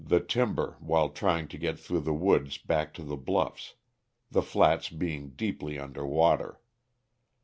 the timber while trying to get through the woods back to the bluffs, the flats being deeply under water.